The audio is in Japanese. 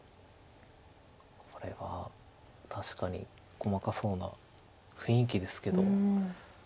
これは確かに細かそうな雰囲気ですけど。